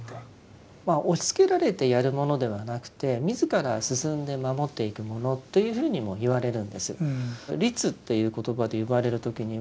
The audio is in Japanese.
まあ押しつけられてやるものではなくて自ら進んで守っていくものというふうにもいわれるんです。